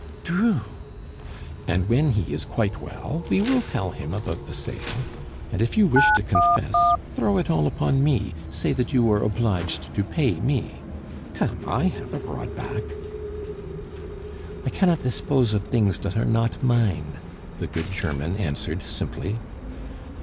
"Drue!" "And when he is quite well, we will tell him about the sale. And if you wish to confess, throw it all upon me, say that you were obliged to pay me. Come! I have a broad back " "I cannot tispose of dings dot are not mine," the good German answered simply.